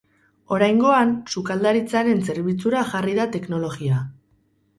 Oraingoan, sukaldaritzaren zerbitzura jarri da teknologia.